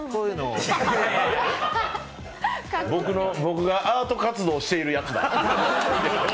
僕がアート活動をしているやつだ。